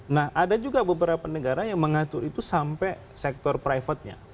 nah ada juga beberapa negara yang mengatur itu sampai sektor private nya